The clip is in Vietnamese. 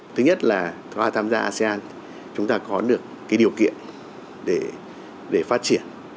thứ nhất là qua tham gia asean chúng ta có được cái điều kiện để phát triển